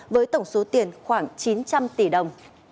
với tổng số tiền khoảng chín trăm linh tỷ đồng